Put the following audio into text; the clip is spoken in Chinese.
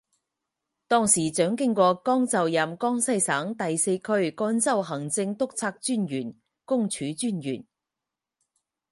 当时蒋经国刚就任江西省第四区赣州行政督察专员公署专员。